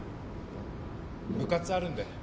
あっ部活あるんで。